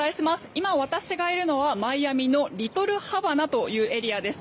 今、私がいるのはマイアミのリトルハバナというエリアです。